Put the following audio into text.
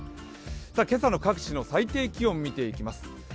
今朝の各地の最低気温を見ていきます。